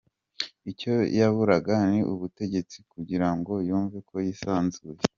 Icyo yaburaga ni ubutegetsi kugira ngo yumve ko yisanzuye?